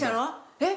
えっ？